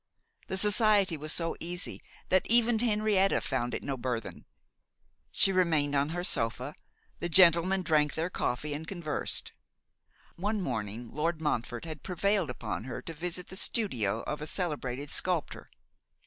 The society was so easy, that even Henrietta found it no burthen. She remained upon her sofa; the gentlemen drank their coffee and conversed. One morning Lord Montfort had prevailed upon her to visit the studio of a celebrated sculptor.